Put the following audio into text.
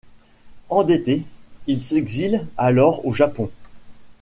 Endetté, il s'exile alors au Japon.